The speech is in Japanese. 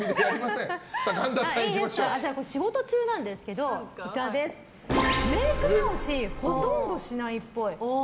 仕事中なんですけどメイク直しほとんどしないっぽい。